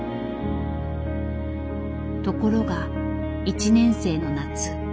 ところが１年生の夏。